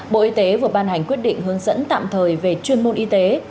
bộ y tế vừa ban hành quyết định hướng dẫn tạm thời về chuyên môn y tế